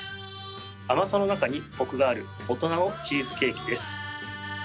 甘さの中にコクがある大人のチーズケーキです。